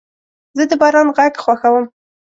زه د باران غږ خوښوم.